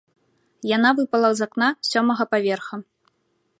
Яна выпала з акна сёмага паверха.